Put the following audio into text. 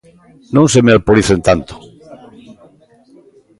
Non se me alporicen tanto.